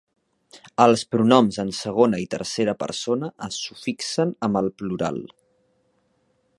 Els pronoms en segona i tercera persona es sufixen amb el plural.